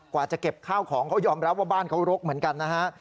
กว่าจะเก็บข้าวของเขายอมรับว่าบ้านเขารกเหมือนกันนะฮะ